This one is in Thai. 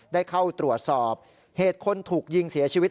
ได้เข้าตรวจสอบเหตุคนถูกยิงเสียชีวิต